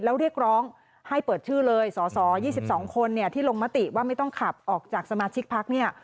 แล้วเรียกร้องให้เปิดชื่อเลยสอสอ๒๒คนที่ลงมติว่าไม่ต้องขับออกจากสมาชิกพักเนี่ย